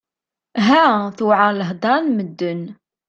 Ha! Tewɛeṛ lhedṛa n medden!